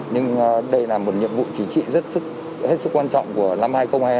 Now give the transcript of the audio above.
nhưng đây là một nhiệm vụ chính trị rất quan trọng của năm hai nghìn hai mươi hai